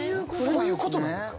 そういう事なんですね。